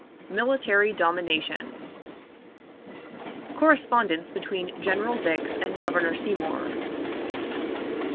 Military Domination. Correspondence between General Dix and Governor Seymour.